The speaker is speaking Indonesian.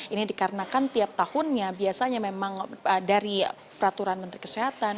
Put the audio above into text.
ini dikarenakan tiap tahunnya biasanya memang dari peraturan menteri kesehatan